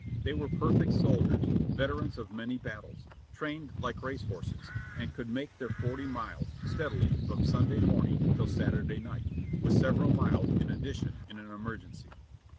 They were perfect soldiers, veterans of many battles, trained like race horses, and could make their forty miles steadily from Sunday morning till Saturday night, with several miles in addi 650 JOHNNY REB AND BILI^Y YANK tion in an emergency.